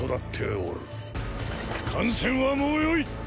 観戦はもうよい！